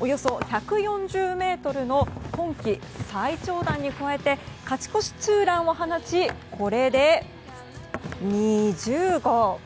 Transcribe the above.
およそ１４０ｍの今季最長弾に加えて勝ち越しツーランを放ちこれで、２０号！